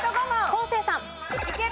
昴生さん。